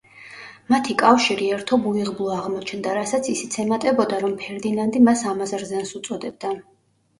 მათი კავშირი ერთობ უიღბლო აღმოჩნდა, რასაც ისიც ემატებოდა, რომ ფერდინანდი მას „ამაზრზენს“ უწოდებდა.